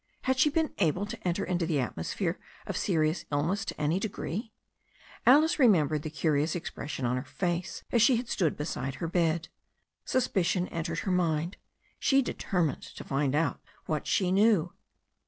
Had she been able to enter into the atmosphere of serious illness to any de gree ? Alice remembered the curious expression on her face as she had stood beside her bed. Suspicion entered her mind. She determined to find out what she knew.